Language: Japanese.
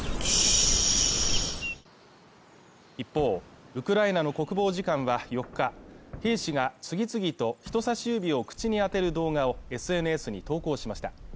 一方、ウクライナの国防次官は４日、兵士が次々と人差し指を口にあてる動画をＳＮＳに投稿しました。